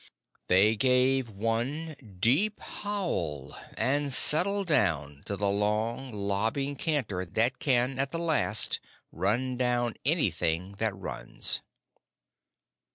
They gave one deep howl, and settled down to the long, lobbing canter that can at the last run down anything that runs.